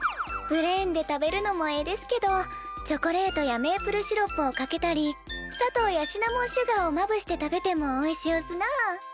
プレーンで食べるのもええですけどチョコレートやメープルシロップをかけたり砂糖やシナモンシュガーをまぶして食べてもおいしおすなあ。